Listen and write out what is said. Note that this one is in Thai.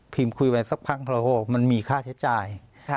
พี่คุยไปสักครั้งมันมีค่าใช้จ่าย